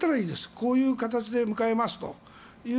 こういう形で迎えますという。